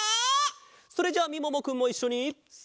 それじゃあみももくんもいっしょにせの。